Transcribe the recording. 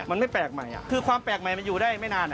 มันไม่แปลกใหม่คือความแปลกใหม่มันอยู่ได้ไม่นาน